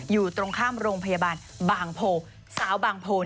อยู่ตรงข้ามโรงพยาบาลบางโพสาวบางโพน